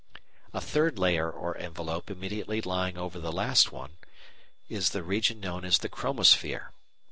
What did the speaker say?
A third layer or envelope immediately lying over the last one is the region known as the chromosphere.